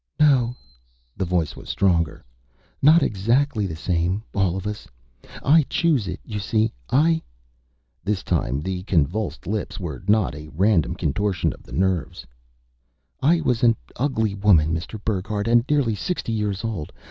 "No." The voice was stronger. "Not exactly the same, all of us. I chose it, you see. I " this time the convulsed lips were not a random contortion of the nerves "I was an ugly woman, Mr. Burckhardt, and nearly sixty years old.